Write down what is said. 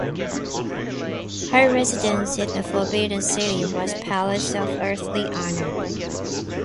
Her residence in the Forbidden City was Palace of Earthly Honour.